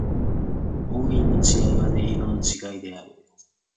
音韻の違いは、音色の違いである。